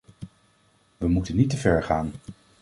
We moeten niet te ver gaan.